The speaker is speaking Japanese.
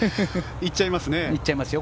行っちゃいますよ